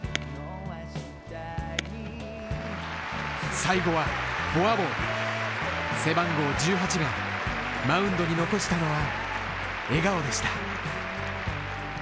最後はフォアボール背番号１８がマウンドに残したのは、笑顔でした。